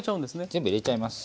全部入れちゃいます。